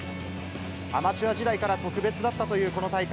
アマチュア時代から特別だったというこの大会。